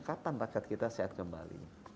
kapan rakyat kita sehat kembali